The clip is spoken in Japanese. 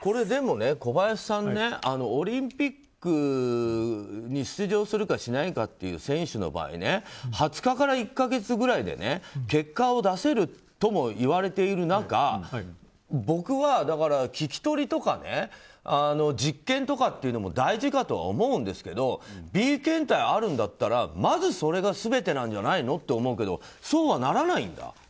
でも、小林さんオリンピックに出場するかしないかっていう選手の場合２０日から１か月ぐらいで結果を出せるとも言われている中僕は、聞き取りとか実験とかっていうのも大事かとは思いますけどＢ検体があるならまずそれが全てなんじゃないのって思うけどそうはならないんだ。